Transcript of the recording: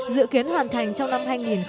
dự kiến hoàn thành trong năm hai nghìn hai mươi